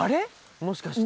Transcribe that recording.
もしかして。